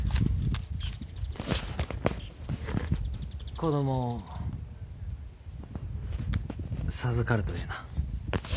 子供授かるとええな。